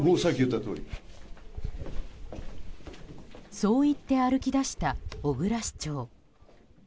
そう言って歩きだした小椋市長。